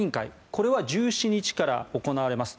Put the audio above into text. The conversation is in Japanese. これは１７日から行われます。